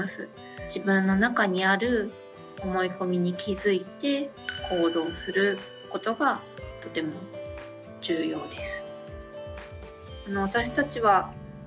自分の中にある思い込みに気付いて行動することがとても重要です。